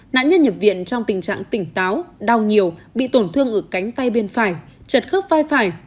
nạn nhân nhập viện trong tình trạng tỉnh táo đau nhiều bị tổn thương ở cánh tay bên phải chật khớp vai phải